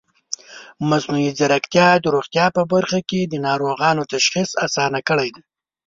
مصنوعي ځیرکتیا د روغتیا په برخه کې د ناروغانو تشخیص اسانه کړی دی.